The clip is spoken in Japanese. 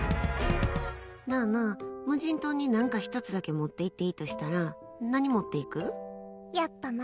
なあなあ、無人島に何か１つだけ持っていっていいとしたら何持っていく？